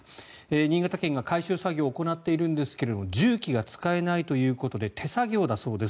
新潟県が回収作業を行っているんですが重機が使えないということで手作業だそうです。